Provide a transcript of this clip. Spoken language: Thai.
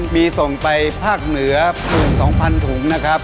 มีส่งไปภาคเหนือ๑๒๐๐๐ถุงนะครับ